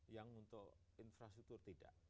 yang untuk infrastruktur tidak